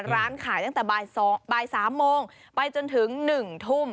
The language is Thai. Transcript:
ร้านขายตั้งแต่บ่าย๓โมงไปจนถึง๑ทุ่ม